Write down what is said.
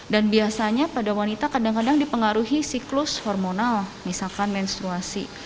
biasanya pada wanita kadang kadang dipengaruhi siklus hormonal misalkan menstruasi